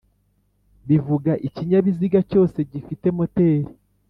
bivuga ikinyabiziga cyose gifite moteri